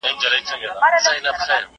کالي ومينځه.